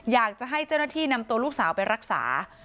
อยากจะให้เจ้าหน้าที่นำตัวลูกสาวไปรักษา